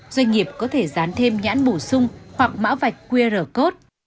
doanh nghiệp có thể dán thêm nhãn bổ sung hoặc mã vạch qr code